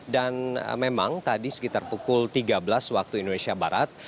dan memang tadi sekitar pukul tiga belas waktu indonesia barat